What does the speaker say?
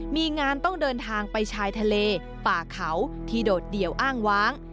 มีงานต้องเดินทางไปชายทะเลป่าเขาที่โดดเดี่ยวอ้างว้าง